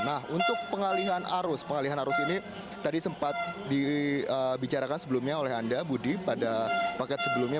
nah untuk pengalihan arus pengalihan arus ini tadi sempat dibicarakan sebelumnya oleh anda budi pada paket sebelumnya